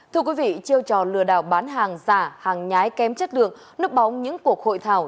thưa quý vị chiêu trò lừa đảo bán hàng giả hàng nhái kém chất lượng núp bóng những cuộc hội thảo